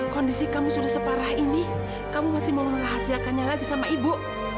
kondisi kamu sudah separah ini kamu masih mau merahasiakannya lagi sama ibu